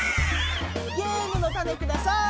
ゲームのタネください。